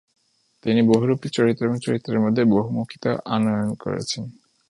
তিনি বহুরূপী চরিত্র এবং চরিত্রের মধ্যে বহুমুখীতা আনয়ন করেছেন।